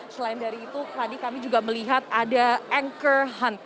selain dari itu tadi kami juga melihat ada anchor hunt